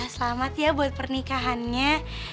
selamat ya buat pernikahannya